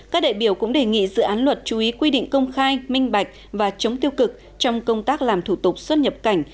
các đại biểu cũng đề nghị dự án luật chú ý quy định công khai minh bạch và chống tiêu cực trong công tác làm thủ tục xuất nhập cảnh